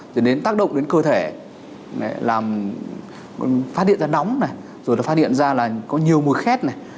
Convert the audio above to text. thì đến tác động đến cơ thể phát hiện ra nóng rồi phát hiện ra là có nhiều mùi khét